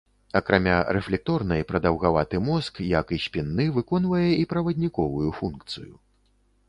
Акрамя рэфлекторнай, прадаўгаваты мозг, як і спінны, выконвае і правадніковую функцыю.